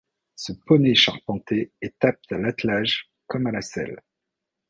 Ce poney charpenté est apte à l'attelage comme à la selle.